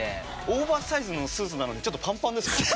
オーバーサイズのスーツなのにちょっとパンパンですもんね。